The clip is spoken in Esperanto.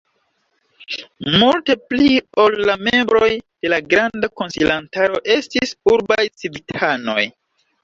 Multe pli ol la membroj de la granda konsilantaro estis urbaj civitanoj.